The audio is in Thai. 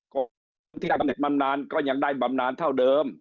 กลุ่มที่ได้บำนานก็ยังได้บำนานเท่าเดิม